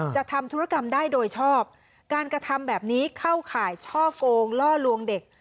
ทำธุรกรรมได้โดยชอบการกระทำแบบนี้เข้าข่ายช่อกงล่อลวงเด็ก